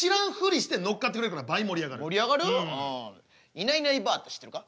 いないいないばあって知ってるか？